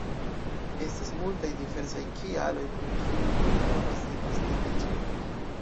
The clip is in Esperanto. Estas multaj diversaj kialoj, pro kiuj oni provas disvastigi ĝin.